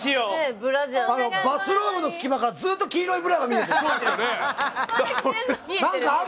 バスローブの隙間からずっと黄色いブラが見えてる。